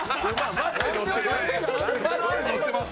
マジで乗ってます？